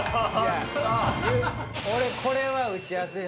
俺これは打ち合わせでホンマ